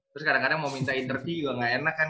terus kadang kadang mau minta interview juga gak enak kan